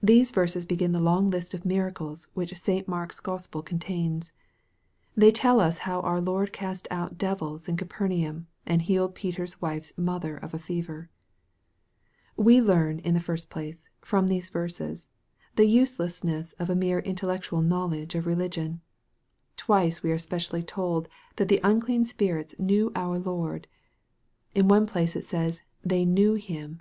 THESE verses begin the long list of miracles which St. Mark's Gospel contains. They tell us how our Lord cast out devils in Capernaum, and healed Peter's wife's mother of a fever. We learn, in the first place, from these verses, the use lessness of a mere intellectual knowledge of religion. Twice we are specially told that the unclean spirits know our 12 EXPOSITORY THOUGHTS. Lord. In one place it says, " they knew Him."